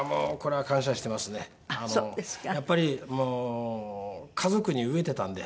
やっぱり家族に飢えてたんで。